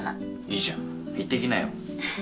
いいじゃん行ってきなよ。